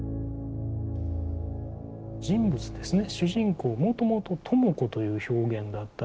人物ですね